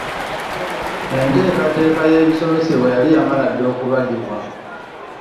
Enteekateeka y’ebisomesebwa yali yamala dda okubagibwa.